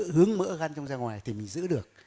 hướng mỡ găn trong ra ngoài thì mình giữ được